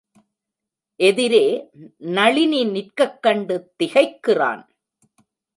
எதிரே நளினி நிற்கக்கண்டு திகைக்கிறான்.